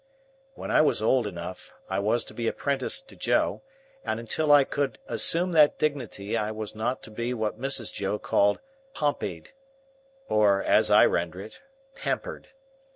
When I was old enough, I was to be apprenticed to Joe, and until I could assume that dignity I was not to be what Mrs. Joe called "Pompeyed," or (as I render it) pampered.